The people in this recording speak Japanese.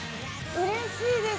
うれしいです。